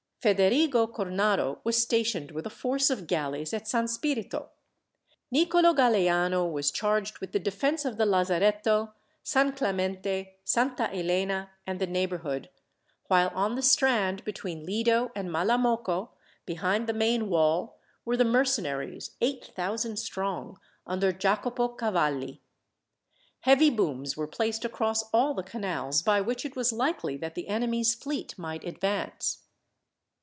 Federigo Cornaro was stationed with a force of galleys at San Spirito. Nicholo Gallieano was charged with the defence of the Lazaretto, San Clemente, Santa Elena, and the neighbourhood; while on the strand between Lido and Malamocco, behind the main wall, were the mercenaries, eight thousand strong, under Jacopo Cavalli. Heavy booms were placed across all the canals by which it was likely that the enemy's fleet might advance.